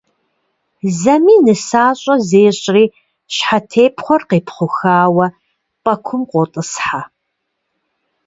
Зэми нысащӏэ зещӏри щхьэтепхъуэр къепхъухауэ пӏэкум къотӏысхьэ.